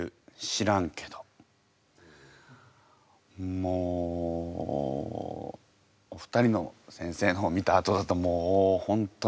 もうお二人の先生のを見たあとだともう本当に。